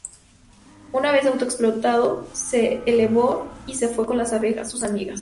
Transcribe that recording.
Una vez auto-explotado, se elevó y se fue con las abejas, sus amigas.